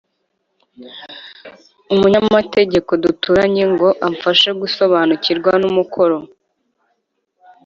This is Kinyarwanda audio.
umunyamategeko duturanye ngo amfashe gusobanukirwa n'umukoro